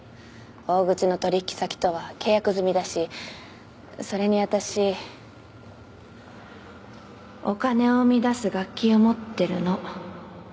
大口の取引先とは契約済みだしそれに私お金を生み出す楽器を持っているの。